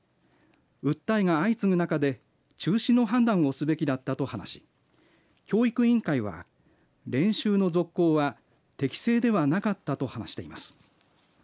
訴えが相次ぐ中で中止の判断をすべきだったと話し教育委員会は練習の続行は適正ではなかったと話しています。